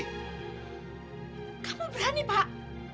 kamu berani pak